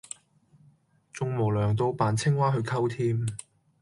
仲無良到扮青蛙去溝添!